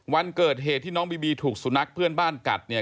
วันเกิดเหตุที่น้องบีบีถูกสุนัขเพื่อนบ้านกัดเนี่ย